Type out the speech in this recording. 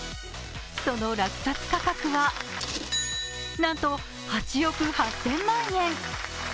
その落札価格は、なんと８億８０００万円。